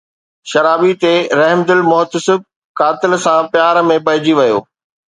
شرابي تي رحمدل محتسب قاتل سان پيار ۾ پئجي ويو